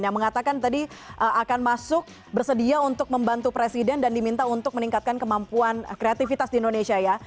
yang mengatakan tadi akan masuk bersedia untuk membantu presiden dan diminta untuk meningkatkan kemampuan kreativitas di indonesia ya